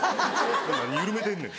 何緩めてんねん。